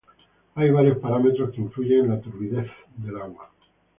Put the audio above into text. Hay varios parámetros que influyen en la turbidez del agua.